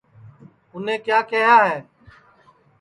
کہ اُنے کیا کیہیا ہے